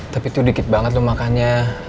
tapi tuh dikit banget tuh makannya